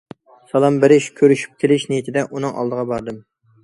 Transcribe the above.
سالام بېرىش، كۆرۈشۈپ كېلىش نىيىتىدە ئۇنىڭ ئالدىغا باردىم.